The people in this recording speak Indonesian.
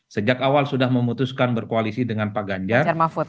sejak awal sudah memutuskan berkoalisi dengan pak ganjar